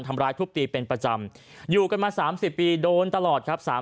ทำร้ายทุบตีเป็นประจำอยู่กันมา๓๐ปีโดนตลอดครับ